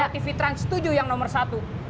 tv trans tujuh yang nomor satu